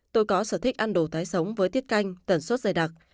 tôi có sở thích ăn đồ tái sống với tiết canh tẩn suất dây đặc